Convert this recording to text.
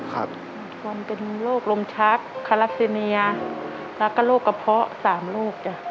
ครับบอลเป็นโรคลมชักคารัสเซเนียแล้วก็โรคกระเพาะสามโรคจ้ะ